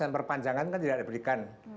yang kepanjangan kan tidak diberikan